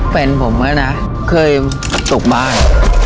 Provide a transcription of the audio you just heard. เป็นผมนะเคยตกบ้าน